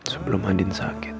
sebelum andi sakit